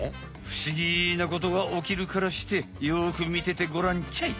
ふしぎなことがおきるからしてよくみててごらんちゃい！